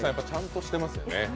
ちゃんとしてますよね。